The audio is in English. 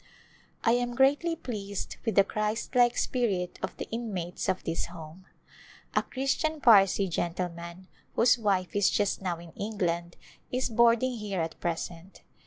I am greatly pleased with the Christlike spirit of the inmates of this Home. A Christian Parsi gentle man, whose wife is just now in England, is boarding here at present.